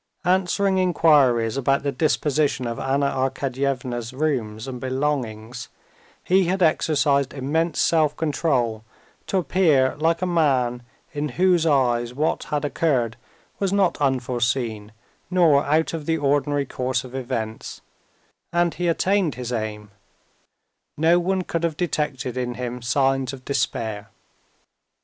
Answering inquiries about the disposition of Anna Arkadyevna's rooms and belongings, he had exercised immense self control to appear like a man in whose eyes what had occurred was not unforeseen nor out of the ordinary course of events, and he attained his aim: no one could have detected in him signs of despair.